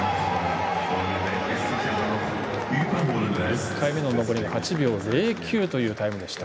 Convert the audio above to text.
１回目の登りが８秒０９というタイムでした。